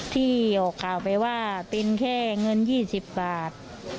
ที่ออกข่าวไปว่าเป็นแค่เงิน๒๐บาท